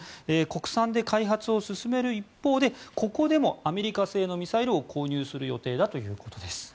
国産で開発を進める一方でここでもアメリカ製のミサイルを購入する予定だということです。